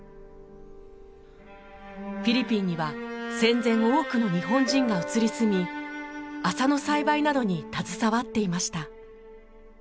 フィリピンには戦前多くの日本人が移り住み麻の栽培などに携わっていました。